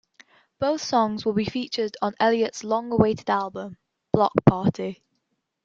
Both songs will be featured on Elliott's long-awaited album, "Block Party".